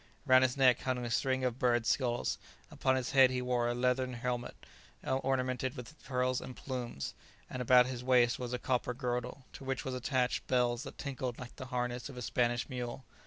Round his neck hung a string of birds' skulls, upon his head he wore a leathern helmet ornamented with pearls and plumes, and about his waist was a copper girdle, to which was attached bells that tinkled like the harness of a Spanish mule.